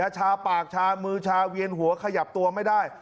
ชาปากชามือชาเวียนหัวขยับตัวไม่ได้